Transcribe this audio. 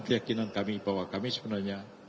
keyakinan kami bahwa kami sebenarnya